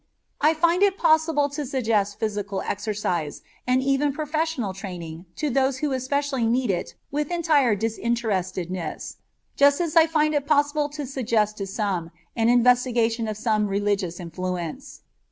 I find it possible to suggest physical exercise and even professional training to those who especially need it with entire disinterestedness, just as I find it possible to suggest to some an investigation of some religious influence.